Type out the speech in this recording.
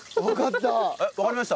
わかりました？